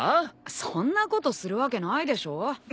そんなことするわけないでしょ。